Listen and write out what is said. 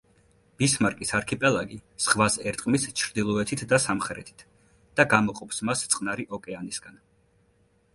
ბისმარკის არქიპელაგი ზღვას ერტყმის ჩრდილოეთით და სამხრეთით და გამოყოფს მას წყნარი ოკეანისგან.